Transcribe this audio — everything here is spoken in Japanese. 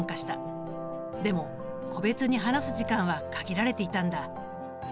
でも個別に話す時間は限られていたんだ。